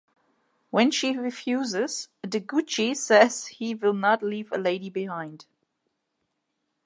When she refuses, De Guiche says he will not leave a lady behind.